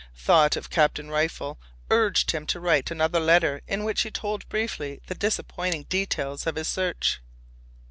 Thought of Captain Rifle urged him to write another letter in which he told briefly the disappointing details of his search.